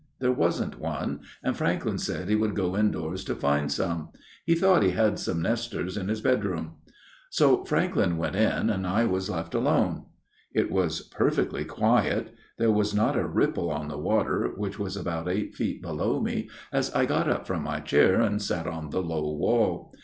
There wasn't one : and Franklyn said he would go indoors to find some. He thought he had some Nestors in his bedroom. " So Franklyn went in and I was left alone, " It was perfectly quiet : there was not a 58 A MIRROR OF SHALOTT ripple on the water, which was about eight feet below me, as I got up from my chair and sat on the low wall.